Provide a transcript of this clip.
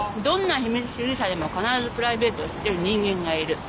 どんな秘密主義者でも必ずプライベートを知ってる人間がいる。